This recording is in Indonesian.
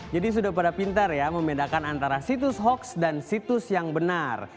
jadi sudah pada pintar ya membedakan antara situs hoaks dan situs yang benar